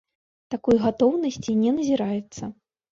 Такой гатоўнасці не назіраецца.